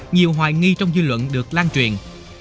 nhiều hoài nghi trong dư luận được lan truyền